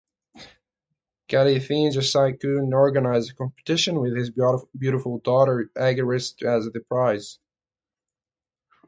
Cleisthenes of Sicyon organized a competition with his beautiful daughter Agariste as the prize.